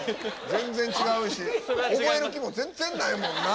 全然違うし覚える気も全然ないもんな。